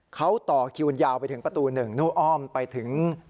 เขาต่อคิวยาวไปถึงประตู๑นู่อ้อมไปถึง